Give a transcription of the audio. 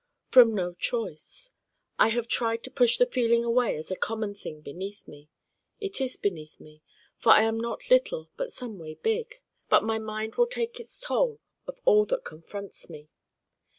From no choice. I have tried to push the feeling away as a common thing beneath me. It is beneath me, for I am not little but someway big. But my Mind will take its toll of all that confronts me.